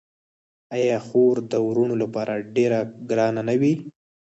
آیا خور د وروڼو لپاره ډیره ګرانه نه وي؟